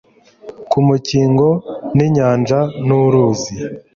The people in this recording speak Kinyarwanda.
Ku Mukingo ni inyanja n,uruzi